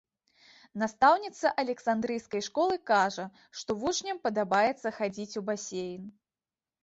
Настаўніца александрыйскай школы кажа, што вучням падабаецца хадзіць у басейн.